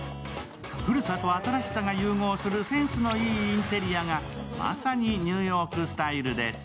古さと新しさが融合するセンスのいいインテリアが、まさにニューヨークスタイルです。